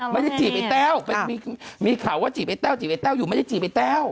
จีบไอ้แต้วไปมีข่าวว่าจีบไอ้แต้วจีบไอ้แต้วอยู่ไม่ได้จีบไอ้แต้ว